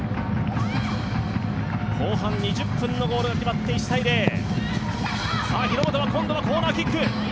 後半２０分のゴールが決まって１−０日ノ本は今度はコーナーキック。